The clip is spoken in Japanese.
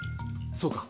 そうか。